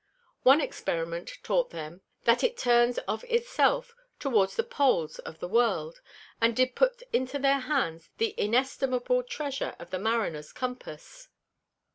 One Experiment taught them, that it turns of its self towards the Poles of the World, and did put into their Hands the inestimable Treasure of the Mariners Compass.